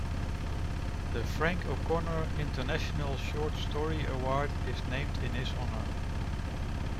The Frank O'Connor International Short Story Award is named in his honour.